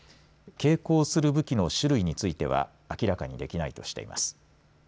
携行する武器の種類については明らかにできないとしています。